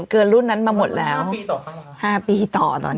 รุ่นนั้นมาหมดแล้ว๕ปีต่อตอนนี้